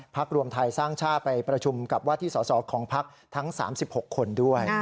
รวมไทยสร้างชาติไปประชุมกับว่าที่สอสอของพักทั้ง๓๖คนด้วย